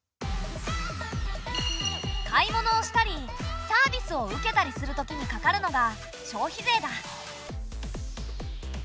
買い物をしたりサービスを受けたりするときにかかるのが消費税だ。